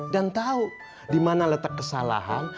dan tau dimana letak kesalahan